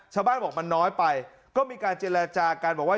ชาวบ้านบอกมันน้อยไปก็มีการเจรจากันบอกว่า